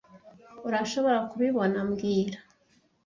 Urashobora kubibona mbwira